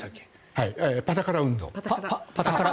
パタカラ運動。